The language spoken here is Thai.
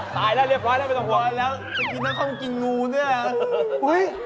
ตายแล้วเรียบร้อยแล้วไม่ต้องบอกตายแล้วเมื่อกี้มันเข้ามากินงูเนี่ย